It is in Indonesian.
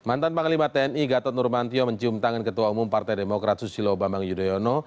mantan panglima tni gatot nurmantio mencium tangan ketua umum partai demokrat susilo bambang yudhoyono